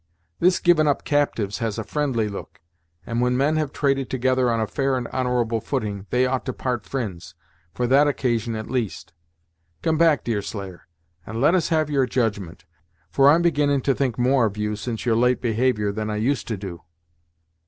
"This givin' up captives has a friendly look, and when men have traded together on a fair and honourable footing they ought to part fri'nds, for that occasion at least. Come back, Deerslayer, and let us have your judgment, for I'm beginnin' to think more of you, since your late behaviour, than I used to do."